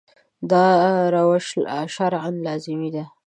دا روش شرعاً لازمي دی.